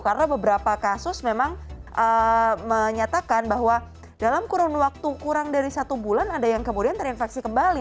karena beberapa kasus memang menyatakan bahwa dalam kurang waktu kurang dari satu bulan ada yang kemudian terinfeksi kembali